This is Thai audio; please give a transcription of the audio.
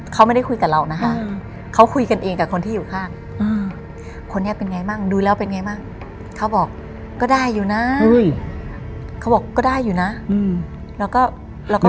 เขาไม่ได้คุยแต่เรานะคะเขาคุยกันเองกับคนที่อยู่ข้างคนนี้เป็นไงบ้างดูแล้วเป็นไงบ้างเขาบอกก็ได้อยู่นะเขาบอกก็ได้อยู่นะแล้วก็เราก็